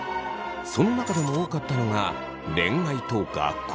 その中でも多かったのが恋愛と学校。